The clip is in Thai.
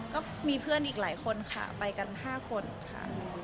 ก็มีเพื่อนอีกหลายคนค่ะไปกัน๕คนค่ะ